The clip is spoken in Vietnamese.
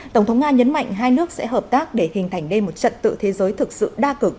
tổng thống nga nhấn mạnh hai nước sẽ hợp tác để hình thành nên một trận tự thế giới thực sự đa cực